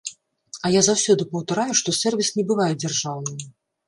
А я заўсёды паўтараю, што сэрвіс не бывае дзяржаўным.